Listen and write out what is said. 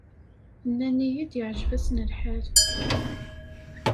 Nnan-iyi-d yeɛjeb-asen lḥal.